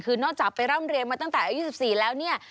คือนอกจากไปร่ำเรียนมาตั้งแต่อายุ๑๔แล้วเนี่ย